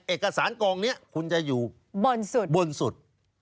เอกสารกองนี้คุณจะอยู่บนสุด